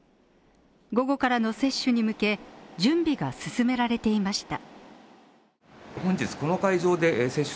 午後からの接種に向け準備が進められていました。